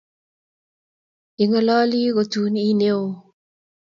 Ingololi kutuuni Ii neo